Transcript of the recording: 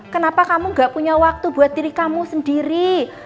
kenapa kamu gak punya waktu buat diri kamu sendiri